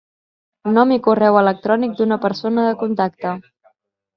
Nom i correu electrònic d'una persona de contacte.